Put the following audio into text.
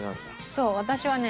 そう私はね